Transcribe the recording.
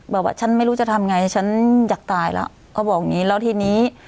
บอกว่าฉันไม่รู้จะทำไงฉันอยากตายแล้วเขาบอกอย่างนี้แล้วทีนี้